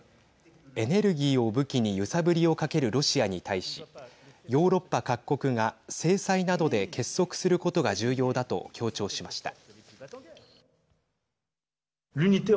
エネルギーを武器に揺さぶりをかけるロシアに対しヨーロッパ各国が制裁などで結束することが重要だと強調しました。